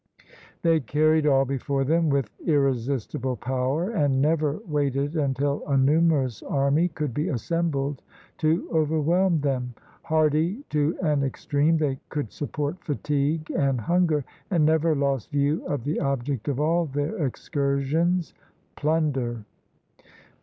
They car ried all before them with irresistible power, and never waited until a numerous army could be assembled to overwhelm them. Hardy to an extreme, they could support fatigue and hunger; and never lost view of the object of all their excursions — plunder.